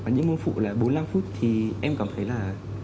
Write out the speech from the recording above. những môn phụ là bốn mươi năm phút thì em cảm thấy là